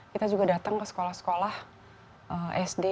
kita juga datang ke sekolah sekolah sd